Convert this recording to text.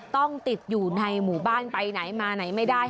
ต้องติดอยู่ในหมู่บ้านไปไหนมาไหนไม่ได้